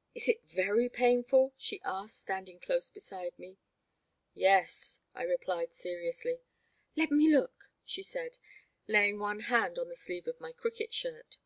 ''Is it very painful?'* she asked, standing close beside me. Yes," I replied, seriously. " Let me look," she said, laying one hand on the sleeve of my cricket shirt.